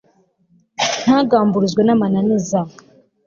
ntagamburuzwe n'amananiza